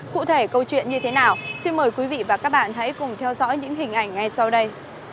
cụ thể câu chuyện như thế nào xin mời quý vị và các bạn hãy cùng theo dõi những hình ảnh ngay sau đây